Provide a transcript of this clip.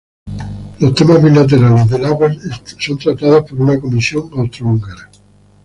Los temas bilaterales del agua son tratados por una comisión Austro-Húngara.